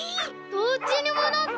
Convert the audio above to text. どっちにもなった！